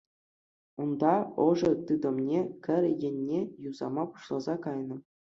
Унта ӑшӑ тытӑмне кӗр енне юсама пуҫласа кайнӑ.